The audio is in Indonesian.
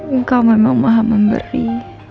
engkau memang maha memberi